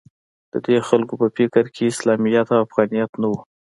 د دې خلکو په فکر کې اسلامیت او افغانیت نه و